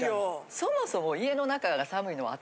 そもそも。